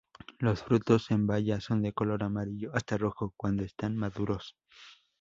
Los frutos, en baya, son de color amarillo hasta rojo, cuando están maduros.